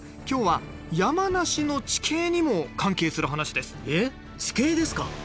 今日は山梨の地形にも関係する話ですえ地形ですか？